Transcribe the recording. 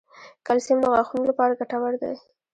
کلسیم د غاښونو لپاره ګټور دی